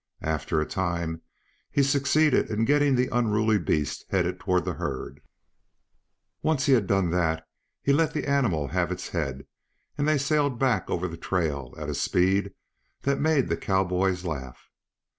After a time he succeeded in getting the unruly beast headed toward the herd. Once he had done that he let the animal have its head and they sailed back over the trail at a speed that made the cowboys laugh.